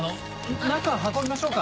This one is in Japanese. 中運びましょうか。